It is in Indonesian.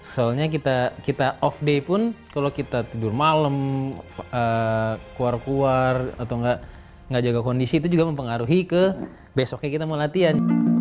soalnya kita off day pun kalo kita tidur malem keluar keluar atau gak jaga kondisi itu juga mempengaruhi ke besoknya kita mau latihan